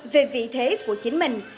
về vị thế của chính mình